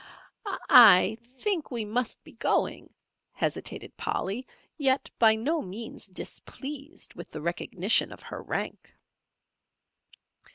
"I think we must be going," hesitated Polly, yet by no means displeased with the recognition of her rank.